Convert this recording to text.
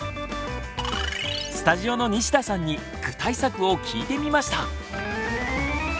スタジオの西田さんに具体策を聞いてみました！